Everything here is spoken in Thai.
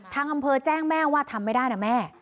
ทางอำเภอแจ้งแม่ว่าทำไม่ได้นะแม่